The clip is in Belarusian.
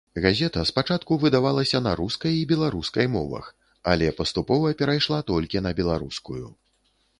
Газета спачатку выдавалася на рускай і беларускай мовах, але паступова перайшла толькі на беларускую.